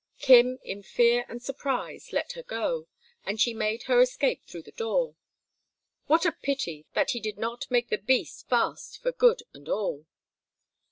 Kim, in fear and surprise, let her go, and she made her escape through the door. What a pity that he did not make the beast fast for good and all!